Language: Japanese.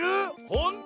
ほんと⁉